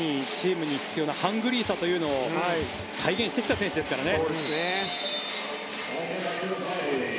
まさにチームに必要なハングリーさというのを体現してきた選手ですからね。